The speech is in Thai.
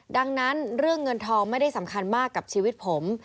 ดังนั้นเรื่องเงินทองไม่ได้สำคัญมากกับชีวิตผม